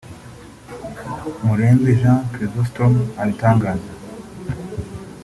Murenzi Jean Chrysostome abitangaza